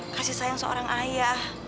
kasih sayang seorang ayah